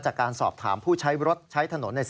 จากการสอบถามผู้ใช้รถ